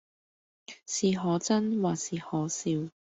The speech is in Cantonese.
是可憎或是可笑，